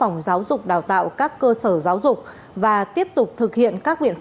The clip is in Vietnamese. như tại quận sáu huyện củ chiến